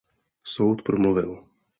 Soud promluvil.